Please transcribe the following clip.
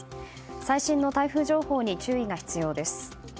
最新の台風情報に注意が必要です。